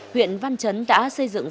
huyện văn chấn đã xây dựng